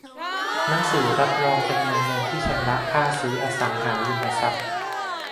หนังสือรับรองจำนวนเงินที่ชำระค่าซื้ออสังหาริมทรัพย์